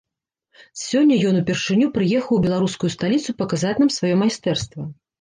Сёння ён упершыню прыехаў у беларускую сталіцу паказаць нам сваё майстэрства.